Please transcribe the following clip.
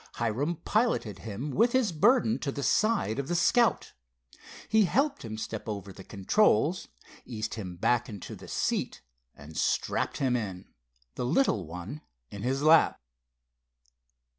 Hiram piloted him with his burden to the side of the Scout. He helped him step over the controls, eased him back into the seat and strapped him in, the little one in his lap.